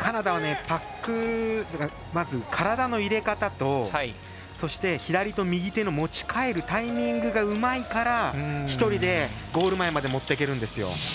カナダはまず体の入れ方とそして、左と右手の持ち替えるタイミングがうまいから、１人でゴール前まで持っていけるんですよ。